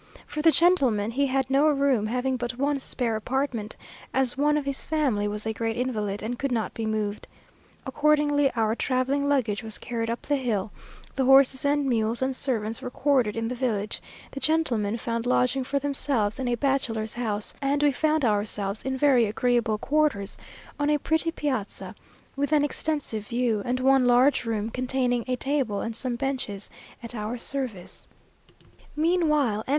For the gentlemen he had no room, having but one spare apartment, as one of his family was a great invalid, and could not be moved. Accordingly, our travelling luggage was carried up the hill; the horses and mules and servants were quartered in the village, the gentlemen found lodging for themselves in a bachelor's house, and we found ourselves in very agreeable quarters, on a pretty piazza, with an extensive view, and one large room, containing a table and some benches, at our service. Meanwhile, M.